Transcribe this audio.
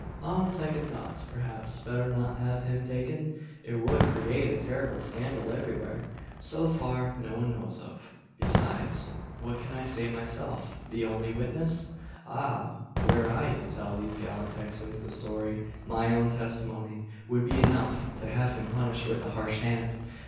"On second thoughts perhaps better not have him taken? It would create a terrible scandal, everywhere. So far, no one knows of . Besides, what can I say myself the only witness? Ah! were I to tell these gallant Texans the story, my own testimony would be enough to have him punished with a harsh hand.